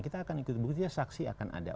kita akan ikut buktinya saksi akan ada